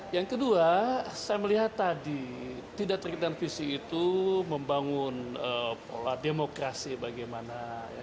yang kedua saya melihat tadi tidak terkait dengan visi itu membangun pola demokrasi bagaimana